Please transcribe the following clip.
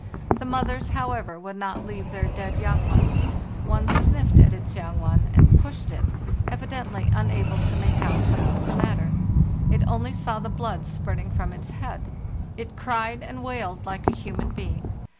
The mothers, however, would not leave their dead young ones. One sniffed at its young one, and pushed it, evidently unable to make out what was the matter; it only saw the blood spurting from its head. It cried and wailed like a human being.